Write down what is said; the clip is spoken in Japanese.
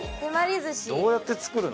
どうやって作るの？